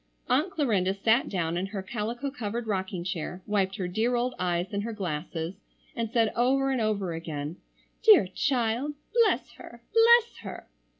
Aunt Clarinda sat down in her calico covered rocking chair, wiped her dear old eyes and her glasses, and said, over and over again: "Dear child! Bless her! Bless her!"